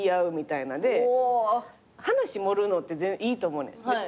話盛るのっていいと思うねん。